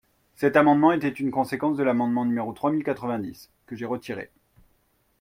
Cet amendement était une conséquence de l’amendement numéro trois mille quatre-vingt-dix, que j’ai retiré.